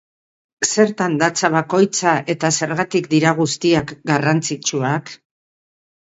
Zertan datza bakoitza eta zergatik dira guztiak garrantzitsuak?